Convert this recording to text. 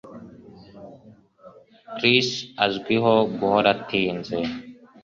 Chris azwiho guhora atinze